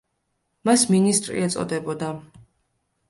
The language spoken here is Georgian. მას მინისტრი ეწოდებოდა.